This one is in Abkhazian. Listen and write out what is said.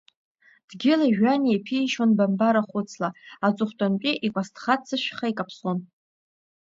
Дгьыли-жәҩани еиԥишьуан бамба рахәыцла, аҵыхәтәантәи икәасҭха ццышәха икаԥсон!